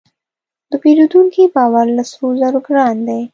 د پیرودونکي باور له سرو زرو ګران دی.